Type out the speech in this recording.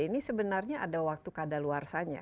ini sebenarnya ada waktu kadaluarsanya